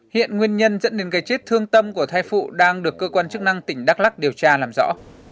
hiện nguyên nhân dẫn đến gây chết thương tâm của thai phụ đang được cơ quan chức năng tỉnh đắk lắc điều tra làm rõ